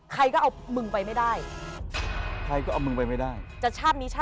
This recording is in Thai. ใครก็เอามึงไปไม่ได้